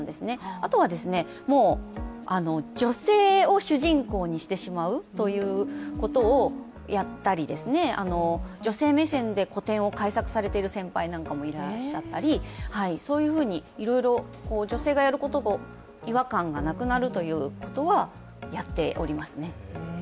あとは、女性を主人公にしてしまうということをやったり、女性目線で古典を改作されている先輩なんかもいらっしゃったり、そういうふうに女性がやることに違和感がなくなるということはやっておりますね。